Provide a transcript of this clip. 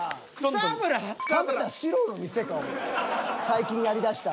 最近やりだした。